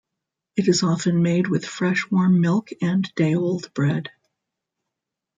It is often made with fresh warm milk and day-old bread.